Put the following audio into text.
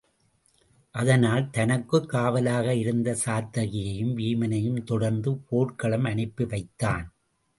அதனால் தனக்குக் காவலாக இருந்த சாத்தகியையும் வீமனையும் தொடர்ந்துபோர்க்களம் அனுப்பி வைத்தான்.